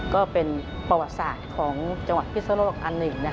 ก็เป็นประวัติศาสตร์ของจังหวัดพิศนโลกอันหนึ่ง